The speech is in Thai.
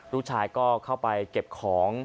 ลูกชายก็เข้าไปเก็บของ